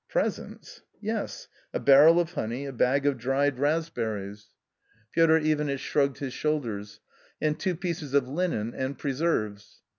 " Presents ?"" Yes \ a barrel of honey, a bag of dried raspberries." A COMMON STORY 27 Piotr Ivanitch shrugged his shoulders. " And two pieces of linen, and preserves."